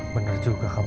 bener juga kamu